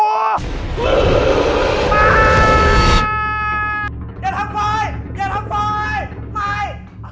อย่าทำฟ้อยอย่าทำฟ้อยไป